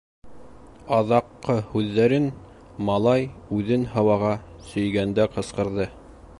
Аҙаҡҡы һүҙҙәрен малай үҙен һауаға сөйгәндә ҡысҡырҙы.